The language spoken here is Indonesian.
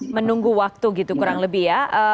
menunggu waktu gitu kurang lebih ya